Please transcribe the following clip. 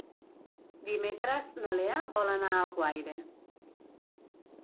Dimecres na Lea vol anar a Alguaire.